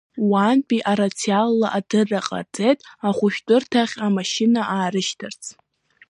Уантә арациала адырра ҟарҵеит ахәышәтәырҭахь амашьына аарышьҭырц.